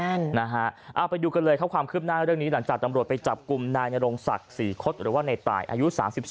นะฮะเอาไปดูกันเลยครับความคืบหน้าเรื่องนี้หลังจากตำรวจไปจับกลุ่มนายนรงศักดิ์ศรีคดหรือว่าในตายอายุ๓๒